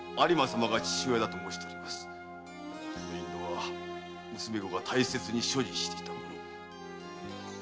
この印籠は娘御が大切に所持していたもの。